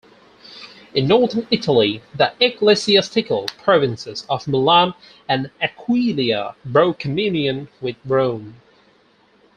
In Northern Italy the ecclesiastical provinces of Milan and Aquileia broke communion with Rome.